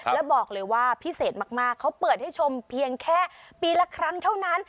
แล้วบอกเลยว่าพิเศษมากเขาเปิดให้ชมเพียงแค่ปีละครั้งเท่านั้น